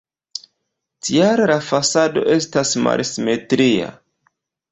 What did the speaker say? Tial la fasado estas malsimetria.